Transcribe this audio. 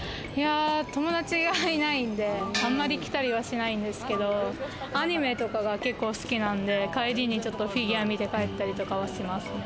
友達がいないんで、あんまり来たりはしないんですけど、アニメとかが結構好きなんで、帰りにちょっとフィギュア見て帰ったりとかはします。